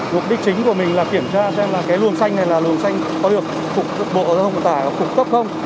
mục đích chính của mình là kiểm tra xem là cái luồng xanh này là luồng xanh có được phục bộ giao thông tải có được phục tốc không